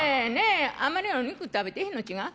あんまりお肉食べてへんの違う？